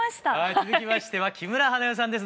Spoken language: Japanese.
続きましては木村花代さんです。